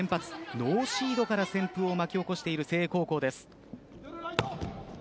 ノーシードから旋風を巻き起こしている誠英高校です。